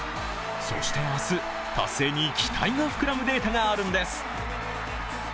そして明日、達成に期待が膨らむデータがあるんです。